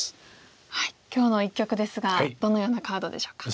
今日の一局ですがどのようなカードでしょうか？